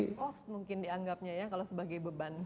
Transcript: sebagai cost mungkin dianggapnya ya kalau sebagai beban